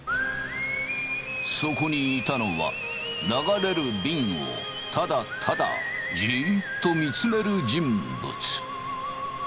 そこにいたのは流れるびんをただただじっと見つめる人物。